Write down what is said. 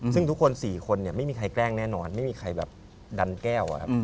ซึ่งทุกคน๔คนไม่มีใครแกล้งแน่นอนไม่มีใครแบบดันแก้ว